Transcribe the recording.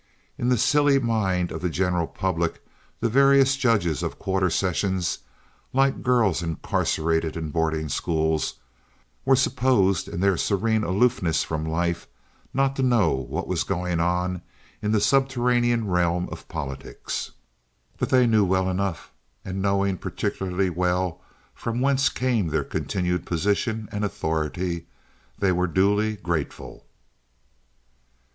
In the silly mind of the general public the various judges of Quarter Sessions, like girls incarcerated in boarding schools, were supposed in their serene aloofness from life not to know what was going on in the subterranean realm of politics; but they knew well enough, and, knowing particularly well from whence came their continued position and authority, they were duly grateful.